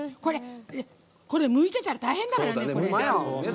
これ、むいてたら大変だからね。